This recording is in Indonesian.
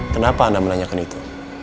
kenapa anda menanyakan itu